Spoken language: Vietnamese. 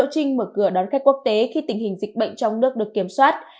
trình mở cửa đón khách quốc tế khi tình hình dịch bệnh trong nước được kiểm soát